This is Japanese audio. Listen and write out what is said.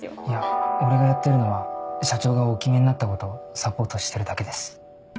いや俺がやってるのは社長がお決めになったことをサポートしてるだけです。